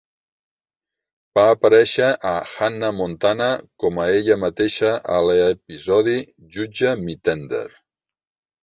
Va aparèixer a "Hanna Montana" com a ella mateixa a l'episodi "Judge Me Tender."